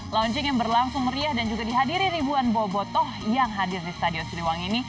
launching yang berlangsung meriah dan juga dihadiri ribuan bobotoh yang hadir di stadion siliwangi ini